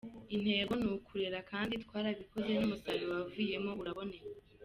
Intego ni ukurera kandi twarabikoze n’umusaruro wavuyemo uraboneka.